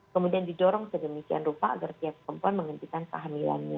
kemudian didorong ke demikian rupa agar siapa perempuan menghentikan kehamilannya